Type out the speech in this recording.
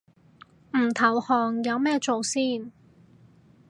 唔投降有咩做先